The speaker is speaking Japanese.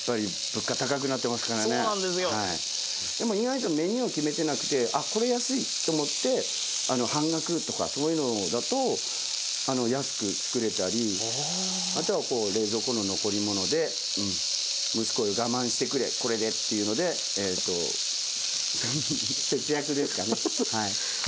でも意外とメニューを決めてなくてあこれ安いと思って半額とかそういうのだと安く作れたりあとはこう冷蔵庫の残り物で息子よ我慢してくれこれでっていうのでえとフフフ節約ですかねはい。